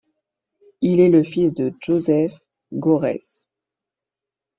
Il est le fils de Joseph Görres.